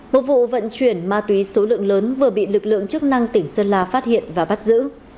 một vụ vận chuyển ma túy số lượng lớn vừa bị lực lượng chức năng tỉnh sơn la phát hiện và bắt giữ